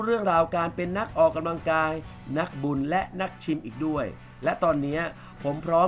เรื่องราวการเป็นนักออกกำลังกายนักบุญและนักชิมอีกด้วยและตอนเนี้ยผมพร้อม